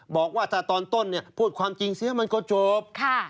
บอกว่าถ้าตอนต้นพูดความจริงเสียมันก็จบ